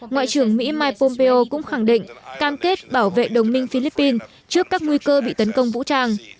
ngoại trưởng mỹ mike pompeo cũng khẳng định cam kết bảo vệ đồng minh philippines trước các nguy cơ bị tấn công vũ trang